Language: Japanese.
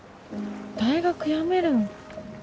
大学やめるん？